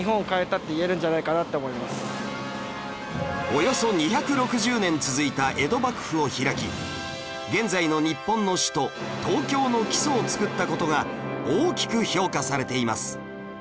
およそ２６０年続いた江戸幕府を開き現在の日本の首都東京の基礎を作った事が大きく評価されています